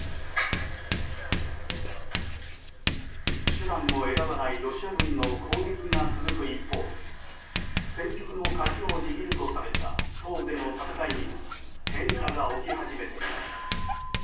手段を選ばないロシア軍の攻撃が続く一方で戦局の鍵を握るとされた東部での戦いには変化が起き始めています。